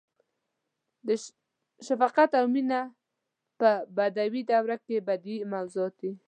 • شفقت او مینه په بدوي دوره کې بدیعي موضوعات وو.